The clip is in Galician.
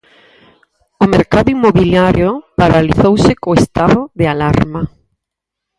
O mercado inmobiliario paralizouse co estado de alarma.